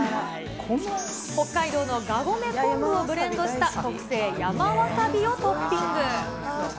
北海道のがごめ昆布をブレンドした特製山わさびをトッピング。